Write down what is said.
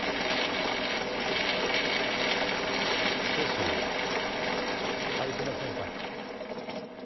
少し歩きませんか？